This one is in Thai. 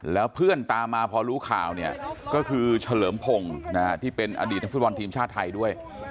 แล้วเพื่อนตามมาพอรู้ข่าวเนี่ยก็คือเฉลิมพงศ์ที่เป็นอดีตนักฟุตบอลทีมชาติไทยด้วย